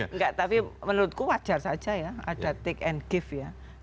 enggak tapi menurutku wajar saja ya ada take and give ya